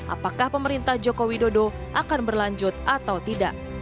apakah pemerintah joko widodo akan berlanjut atau tidak